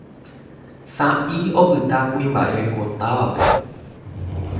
sa'i opyta kuimba'e ko távape